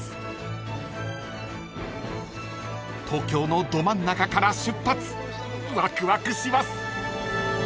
［東京のど真ん中から出発ワクワクします！］